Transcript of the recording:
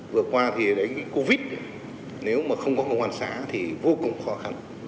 vừa qua thì đấy covid nếu mà không có công an xã thì vô cùng khó khăn